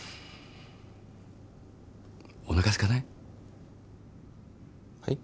おなかすかない？